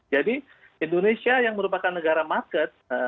jadi indonesia yang merupakan negara market